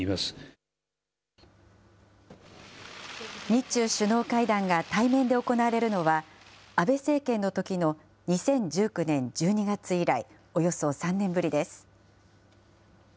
日中首脳会談が対面で行われるのは、安倍政権のときの２０１９年１２月以来、およそ３年ぶりです。